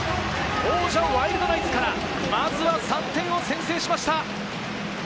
王者・ワイルドナイツからまずは３点を先制しました。